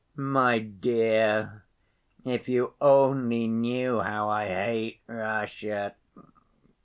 My dear, if you only knew how I hate Russia....